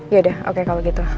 ya udah oke kalau gitu